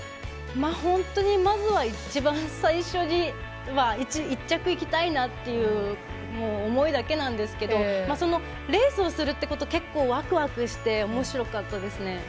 本当に、まずは一番最初に１着いきたいなという思いだけなんですけどそのレースをするということ結構、わくわくしておもしろかったですね。